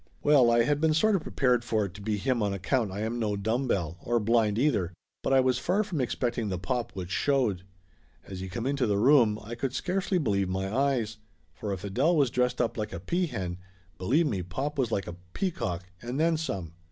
Well, I had been sort of prepared for it to be him on account I am no dumb bell, or blind either. But I was far from expecting the pop which showed. As he come into the room I could scarcely believe my eyes, for if Adele was dressed up like a peahen, believe me pop was like a peacock, and then some.